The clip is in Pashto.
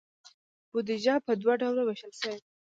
بودیجه په دوه ډوله ویشل شوې ده.